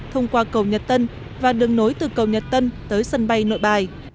thông qua cầu nhật tân và đường nối từ cầu nhật tân tới sân bay nội bài